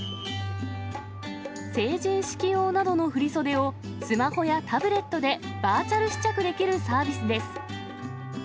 成人式用などの振り袖を、スマホやタブレットでバーチャル試着できるサービスです。